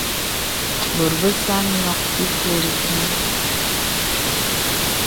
Bòt bəsà à nók īkori kiŋ.